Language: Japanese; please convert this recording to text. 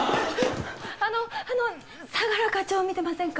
あの相良課長見てませんか？